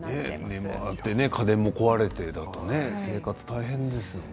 それで家電も壊れてだと生活が大変ですね。